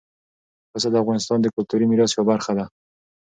پسه د افغانستان د کلتوري میراث یوه برخه ده.